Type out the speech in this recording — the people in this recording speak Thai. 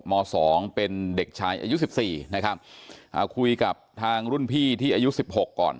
มสองเป็นเด็กชายอายุสิบสี่นะครับอ่าคุยกับทางรุ่นพี่ที่อายุสิบหกก่อน